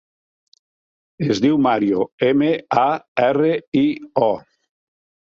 Es diu Mario: ema, a, erra, i, o.